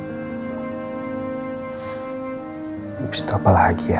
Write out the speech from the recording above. habis itu apa lagi ya